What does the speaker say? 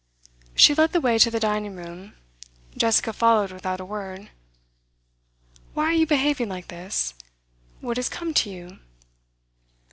She led the way to the dining room. Jessica followed without a word. 'Why are you behaving like this? What has come to you?